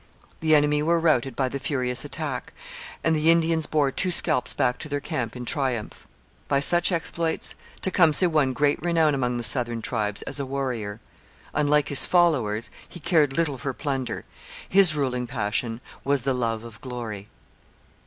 The enemy were routed by the furious attack, and the Indians bore two scalps back to their camp in triumph. By such exploits Tecumseh won great renown among the southern tribes as a warrior. Unlike his followers, he cared little for plunder: his ruling passion was the love of glory.